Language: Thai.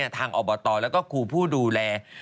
ทางอบตแล้วก็ครูผู้ดูแล